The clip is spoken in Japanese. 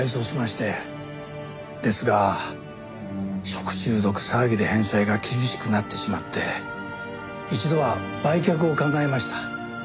ですが食中毒騒ぎで返済が厳しくなってしまって一度は売却を考えました。